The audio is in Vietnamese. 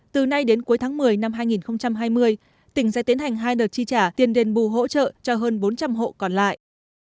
từ nay đến cuối tháng một mươi năm hai nghìn hai mươi tỉnh sẽ tiến hành hai đợt chi trả tiền đền bù hỗ trợ cho hơn bốn trăm linh hộ còn lại